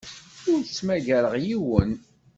Ur ttmagareɣ yiwen.